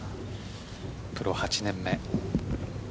プロ８年目。